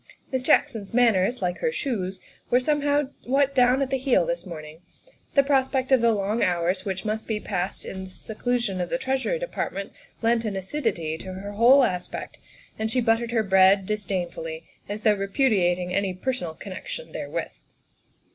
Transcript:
Miss Jackson's manners, like her shoes, were somewhat down at the heel in the morning; the pros pect of the long hours which must be passed in the seclu sion of the Treasury Department lent an acidity to her whole aspect, and she buttered her bread disdainfully, as though repudiating any personal connection there with.